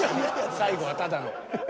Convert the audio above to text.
最後はただの。